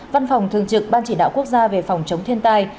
văn phòng thường trực ban chỉ đạo quốc gia về phòng chống thiên tai